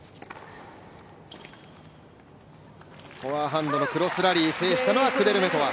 フォアハンドのクロスラリー、制したのはクデルメトワ。